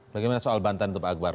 bagaimana soal bantahan untuk pak akbar